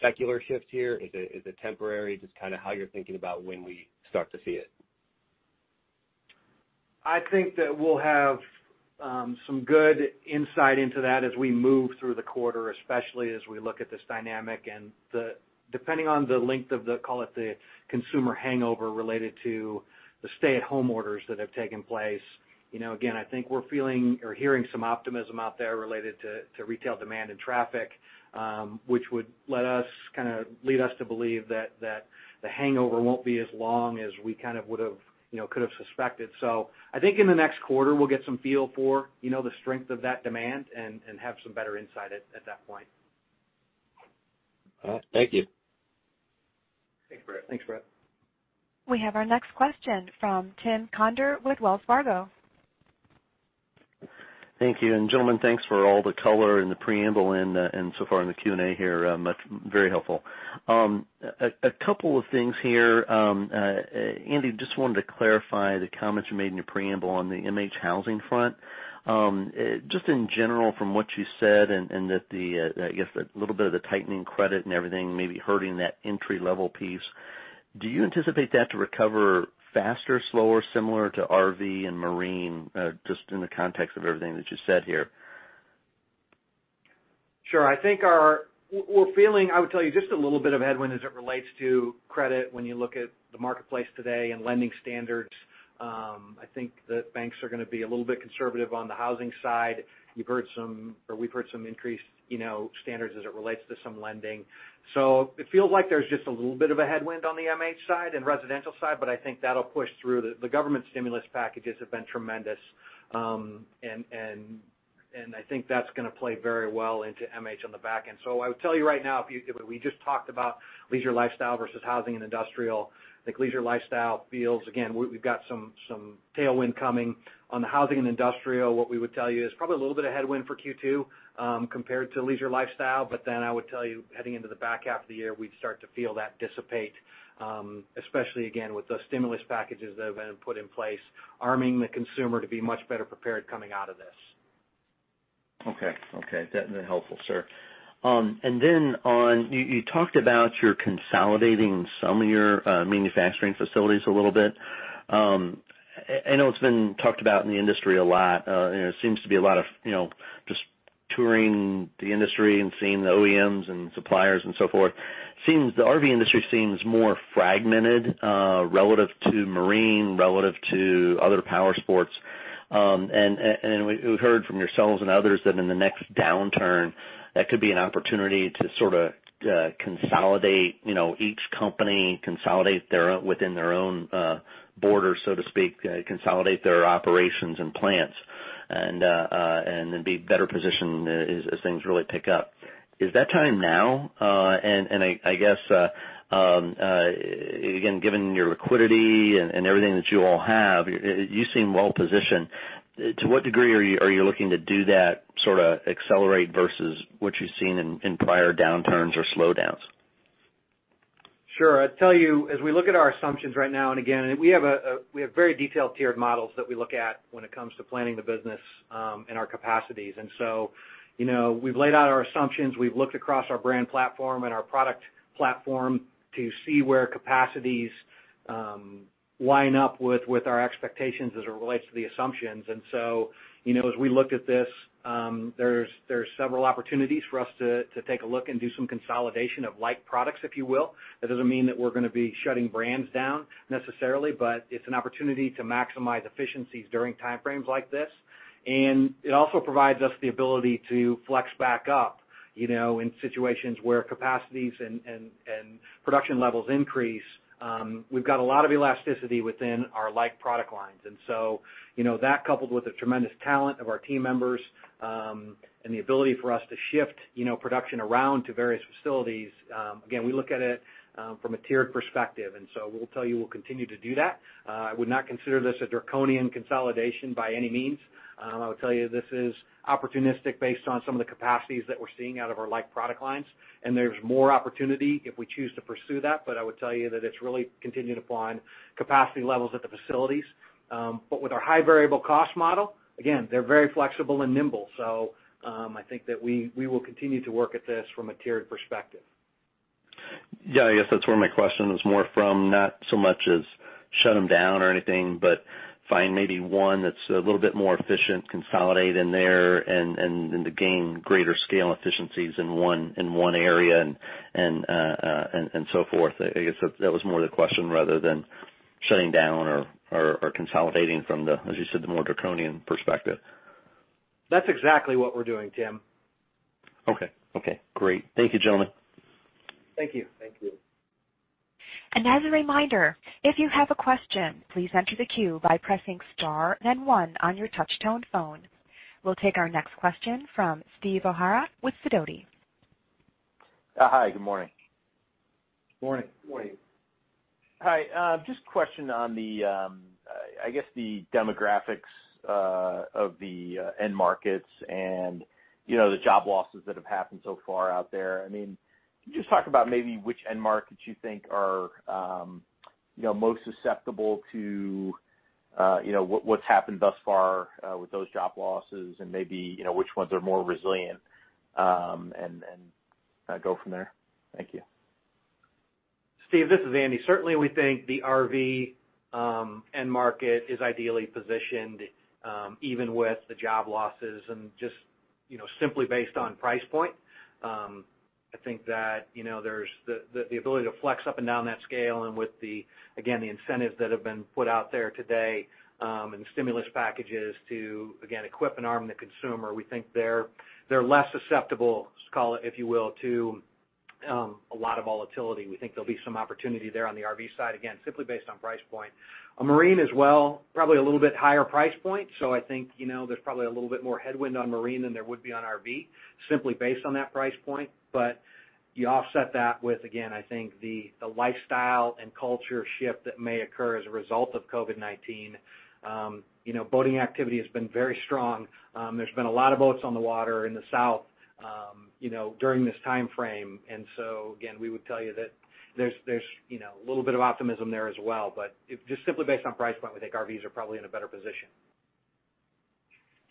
secular shift here? Is it temporary? Just kind of how you're thinking about when we start to see it. I think that we'll have some good insight into that as we move through the quarter, especially as we look at this dynamic and depending on the length of the, call it, the consumer hangover related to the stay-at-home orders that have taken place. Again, I think we're feeling or hearing some optimism out there related to retail demand and traffic, which would lead us to believe that the hangover won't be as long as we could've suspected. I think in the next quarter, we'll get some feel for the strength of that demand and have some better insight at that point. All right. Thank you. Thanks, Brett. Thanks, Brett. We have our next question from Tim Conder with Wells Fargo. Thank you. Gentlemen, thanks for all the color and the preamble and so far in the Q&A here. Much very helpful. A couple of things here. Andy, just wanted to clarify the comments you made in your preamble on the MH housing front. Just in general, from what you said and I guess a little bit of the tightening credit and everything may be hurting that entry-level piece. Do you anticipate that to recover faster, slower, similar to RV and marine? Just in the context of everything that you said here. Sure. I would tell you just a little bit of headwind as it relates to credit when you look at the marketplace today and lending standards. I think that banks are going to be a little bit conservative on the housing side. We've heard some increased standards as it relates to some lending. It feels like there's just a little bit of a headwind on the MH side and residential side, but I think that'll push through. The government stimulus packages have been tremendous. I think that's going to play very well into MH on the back end. I would tell you right now, we just talked about leisure lifestyle versus housing and industrial. I think leisure lifestyle feels, again, we've got some tailwind coming. On the housing and industrial, what we would tell you is probably a little bit of headwind for Q2 compared to leisure lifestyle. I would tell you, heading into the back half of the year, we'd start to feel that dissipate, especially again, with the stimulus packages that have been put in place, arming the consumer to be much better prepared coming out of this. Okay. That's helpful, sir. You talked about you're consolidating some of your manufacturing facilities a little bit. I know it's been talked about in the industry a lot. It seems to be a lot of just touring the industry and seeing the OEMs and suppliers and so forth. The RV industry seems more fragmented, relative to marine, relative to other power sports. We've heard from yourselves and others that in the next downturn, that could be an opportunity to sort of consolidate each company, consolidate within their own borders, so to speak, consolidate their operations and plants and then be better positioned as things really pick up. Is that time now? I guess, again, given your liquidity and everything that you all have, you seem well-positioned. To what degree are you looking to do that sort of accelerate versus what you've seen in prior downturns or slowdowns? Sure. I'd tell you, as we look at our assumptions right now, again, we have very detailed tiered models that we look at when it comes to planning the business and our capacities. We've laid out our assumptions. We've looked across our brand platform and our product platform to see where capacities line up with our expectations as it relates to the assumptions. As we look at this, there's several opportunities for us to take a look and do some consolidation of like products, if you will. That doesn't mean that we're going to be shutting brands down necessarily, it's an opportunity to maximize efficiencies during time frames like this. It also provides us the ability to flex back up, in situations where capacities and production levels increase. We've got a lot of elasticity within our like product lines. That coupled with the tremendous talent of our team members, and the ability for us to shift production around to various facilities. Again, we look at it from a tiered perspective, we'll tell you we'll continue to do that. I would not consider this a draconian consolidation by any means. I would tell you this is opportunistic based on some of the capacities that we're seeing out of our like product lines, and there's more opportunity if we choose to pursue that. I would tell you that it's really contingent upon capacity levels at the facilities. With our high variable cost model, again, they're very flexible and nimble. I think that we will continue to work at this from a tiered perspective. Yeah, I guess that's where my question was more from, not so much as shut them down or anything, but find maybe one that's a little bit more efficient, consolidate in there and to gain greater scale efficiencies in one area and so forth. I guess that was more the question rather than shutting down or consolidating from the, as you said, the more draconian perspective. That's exactly what we're doing, Tim. Okay, great. Thank you, gentlemen. Thank you. Thank you. As a reminder, if you have a question, please enter the queue by pressing star then one on your touch tone phone. We'll take our next question from Steve O'Hara with Sidoti. Hi, good morning. Morning. Good morning. Hi. Just a question on the, I guess the demographics of the end markets and the job losses that have happened so far out there. Can you just talk about maybe which end markets you think are most susceptible to what's happened thus far with those job losses and maybe which ones are more resilient and go from there? Thank you. Steve, this is Andy. Certainly, we think the RV end market is ideally positioned, even with the job losses and just simply based on price point. I think that there's the ability to flex up and down that scale and with the, again, the incentives that have been put out there today, and the stimulus packages to, again, equip and arm the consumer. We think they're less susceptible, let's call it, if you will, to a lot of volatility. We think there'll be some opportunity there on the RV side, again, simply based on price point. On marine as well, probably a little bit higher price point. I think there's probably a little bit more headwind on marine than there would be on RV, simply based on that price point. You offset that with, again, I think the lifestyle and culture shift that may occur as a result of COVID-19. Boating activity has been very strong. There's been a lot of boats on the water in the south during this time frame. Again, we would tell you that there's a little bit of optimism there as well, but just simply based on price point, we think RVs are probably in a better position.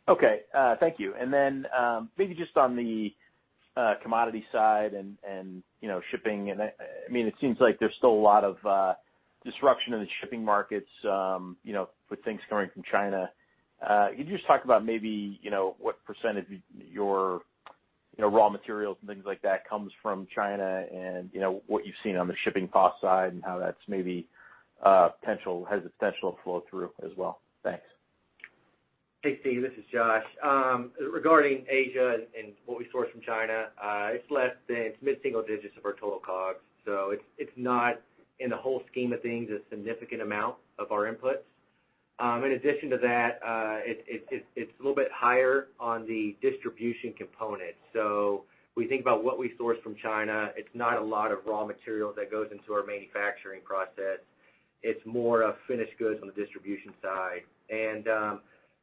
Okay, thank you. Maybe just on the commodity side and shipping, it seems like there's still a lot of disruption in the shipping markets with things coming from China. Could you just talk about maybe what percent of your raw materials and things like that comes from China and what you've seen on the shipping cost side and how that's maybe has the potential to flow through as well? Thanks. Hey, Steve, this is Josh. Regarding Asia and what we source from China, it's mid-single digits of our total COGS. It's not, in the whole scheme of things, a significant amount of our inputs. In addition to that, it's a little bit higher on the distribution component. We think about what we source from China. It's not a lot of raw material that goes into our manufacturing process. It's more of finished goods on the distribution side.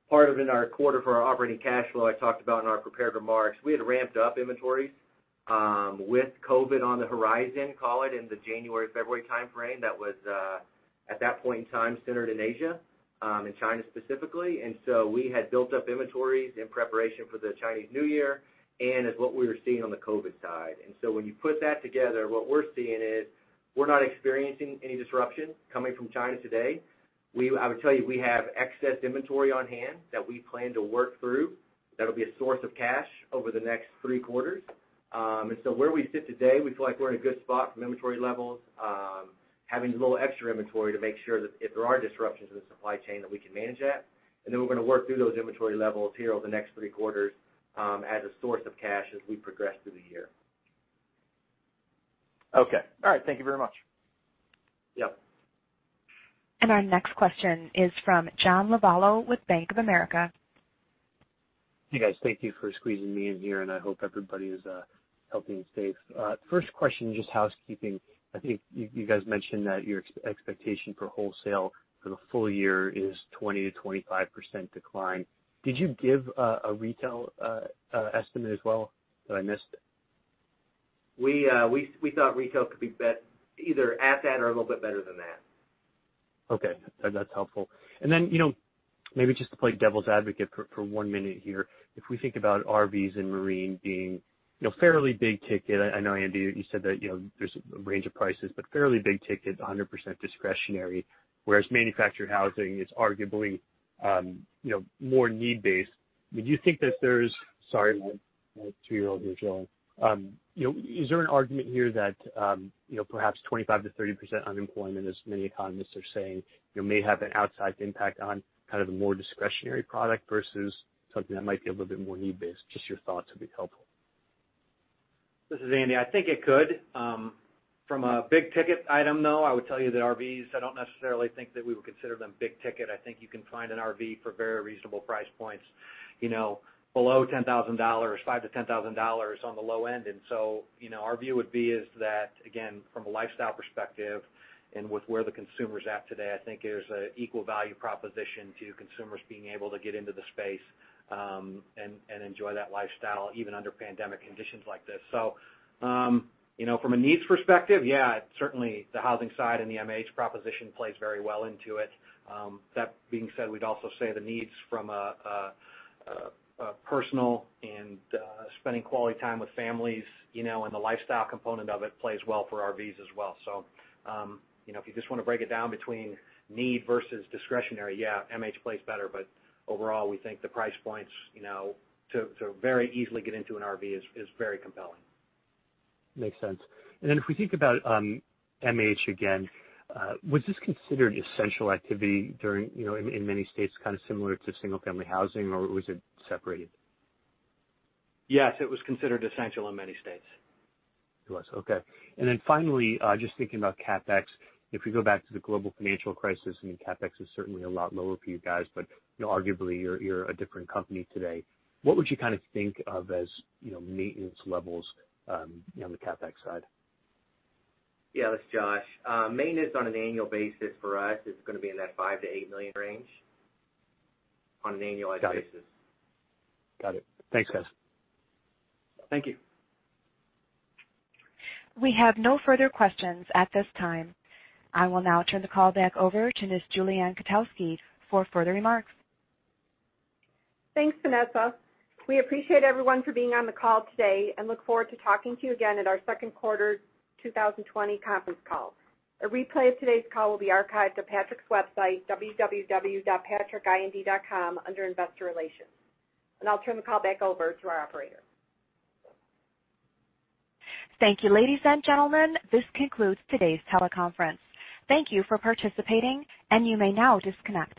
Part of it in our quarter for our operating cash flow, I talked about in our prepared remarks, we had ramped up inventories with COVID on the horizon, call it in the January, February timeframe. That was, at that point in time, centered in Asia, in China specifically. We had built up inventories in preparation for the Chinese New Year and as what we were seeing on the COVID side. When you put that together, what we're seeing is we're not experiencing any disruption coming from China today. I would tell you, we have excess inventory on-hand that we plan to work through. That'll be a source of cash over the next three quarters. Where we sit today, we feel like we're in a good spot from inventory levels, having a little extra inventory to make sure that if there are disruptions in the supply chain, that we can manage that. We're going to work through those inventory levels here over the next three quarters as a source of cash as we progress through the year. Okay. All right. Thank you very much. Yep. Our next question is from John Lovallo with Bank of America. Hey, guys. Thank you for squeezing me in here, and I hope everybody is healthy and safe. First question, just housekeeping. I think you guys mentioned that your expectation for wholesale for the full year is 20%-25% decline. Did you give a retail estimate as well that I missed? We thought retail could be either at that or a little bit better than that. Okay. That's helpful. Maybe just to play devil's advocate for one minute here, if we think about RVs and marine being fairly big ticket, I know, Andy, you said that there's a range of prices, but fairly big ticket, 100% discretionary, whereas manufactured housing is arguably more need-based. Sorry, my two-year-old here is yelling. Is there an argument here that perhaps 25%-30% unemployment, as many economists are saying, may have an outsized impact on kind of a more discretionary product versus something that might be a little bit more need-based? Just your thoughts would be helpful. This is Andy. I think it could. From a big-ticket item, though, I would tell you that RVs, I don't necessarily think that we would consider them big ticket. I think you can find an RV for very reasonable price points below $10,000, $5,000-$10,000 on the low end. Our view would be is that, again, from a lifestyle perspective and with where the consumer's at today, I think there's an equal value proposition to consumers being able to get into the space and enjoy that lifestyle, even under pandemic conditions like this. From a needs perspective, yeah, certainly the housing side and the MH proposition plays very well into it. That being said, we'd also say the needs from a personal and spending quality time with families, and the lifestyle component of it plays well for RVs as well. If you just want to break it down between need versus discretionary, yeah, MH plays better. Overall, we think the price points to very easily get into an RV is very compelling. Makes sense. If we think about MH again, was this considered essential activity during, in many states kind of similar to single-family housing, or was it separated? Yes, it was considered essential in many states. It was. Okay. Finally, just thinking about CapEx, if we go back to the global financial crisis, I mean, CapEx is certainly a lot lower for you guys, but arguably, you're a different company today. What would you think of as maintenance levels on the CapEx side? Yeah, this is Josh. Maintenance on an annual basis for us is going to be in that $5 million-$8 million range on an annualized basis. Got it. Thanks, guys. Thank you. We have no further questions at this time. I will now turn the call back over to Ms. Julie Ann Kotowski for further remarks. Thanks, Vanessa. We appreciate everyone for being on the call today and look forward to talking to you again at our second quarter 2020 conference call. A replay of today's call will be archived at Patrick's website, www.patrickind.com, under Investor Relations. I'll turn the call back over to our operator. Thank you, ladies and gentlemen. This concludes today's teleconference. Thank you for participating, and you may now disconnect.